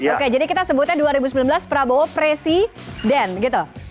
oke jadi kita sebutnya dua ribu sembilan belas prabowo presiden gitu